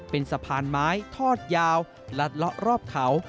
เป็นสะพานไม้ทอดยาวรัดเลาะรอบเขา